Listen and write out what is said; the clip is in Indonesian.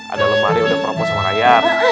ada lemari udah promo sama hayab